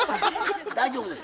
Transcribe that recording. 大丈夫です。